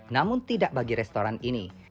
namun tidak bagi restoran ini